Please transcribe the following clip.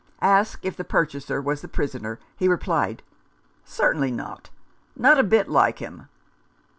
Asked if the purchaser was the prisoner, he replied, " Certainly not ! Not a bit like him."